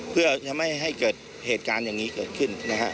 เพื่อจะไม่ให้เกิดเหตุการณ์อย่างนี้เกิดขึ้นนะฮะ